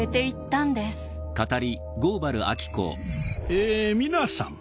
え皆さん